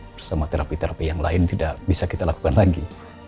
bersama terapi terapi yang lain tidak bisa kita lakukan lagi